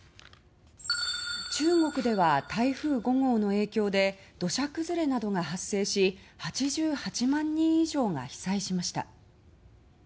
中国では台風５号の影響で土砂崩れなどが発生し８８万人以上が被災しました。